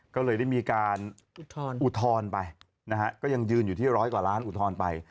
ก็เลยได้มีการอุทธรณ์ไปนะฮะก็ยังยืนอยู่ที่ร้อยกว่าล้านอุทธรณ์ไป